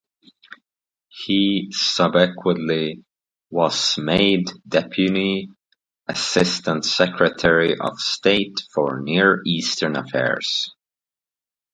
He subsequently was made Deputy Assistant Secretary of State for Near Eastern Affairs.